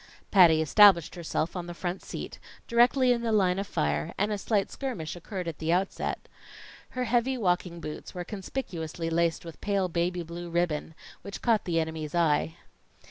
Patty established herself on the front seat, directly in the line of the fire, and a slight skirmish occurred at the outset. Her heavy walking boots were conspicuously laced with pale blue baby ribbon, which caught the enemy's eye.